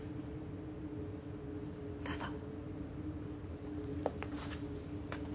どうぞ。